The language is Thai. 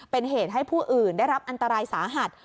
เป็นเหตุให้ผู้อื่นได้รับอันตรายสาหัส